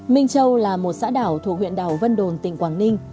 minh châu là một xã đảo thuộc huyện đảo vân đồn tỉnh quảng ninh